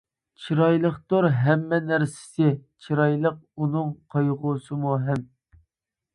چىرايلىقتۇر ھەممە نەرسىسى، چىرايلىق ئۇنىڭ قايغۇسىمۇ ھەم.